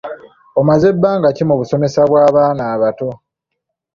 Omaze bbanga ki mu busomesa bw’abaana abato?